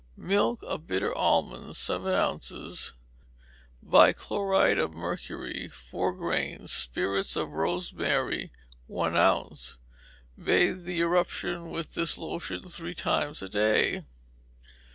Milk of bitter almonds, seven ounces; bichloride of mercury, four grains; spirits of rosemary, one ounce: bathe the eruption with this lotion three times a day.